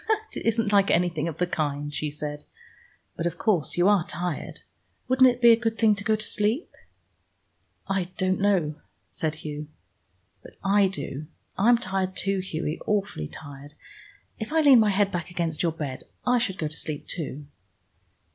"It isn't like anything of the kind," she said. "But of course you are tired. Wouldn't it be a good thing to go to sleep?" "I don't know," said Hugh. "But I do. I'm tired too, Hughie, awfully tired. If I leaned my head back against your bed I should go to sleep too."